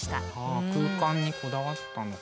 あ空間にこだわったのか。